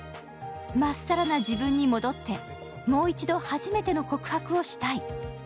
まっさらな自分に戻ってもう一度初めての告白をしたい。